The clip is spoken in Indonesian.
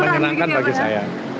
menyenangkan bagi saya